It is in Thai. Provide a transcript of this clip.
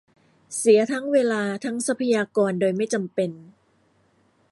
เสียทั้งเวลาทั้งทรัพยากรโดยไม่จำเป็น